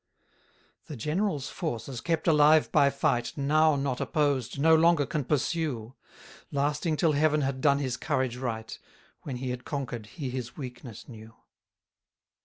135 The general's force, as kept alive by fight, Now not opposed, no longer can pursue: Lasting till heaven had done his courage right; When he had conquer'd he his weakness knew.